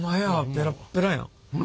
ペラッペラや。